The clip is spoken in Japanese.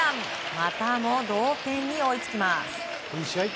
またも同点に追いつきます。